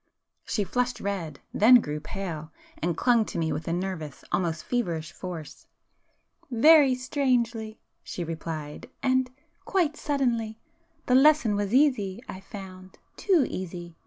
She flushed red,—then grew pale,—and clung to me with a nervous, almost feverish force. "Very strangely!" she replied—"And—quite suddenly! The lesson was easy, I found;—too easy!